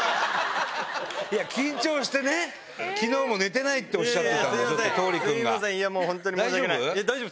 いや、緊張してね、きのうも寝てないっておっしゃってたんで。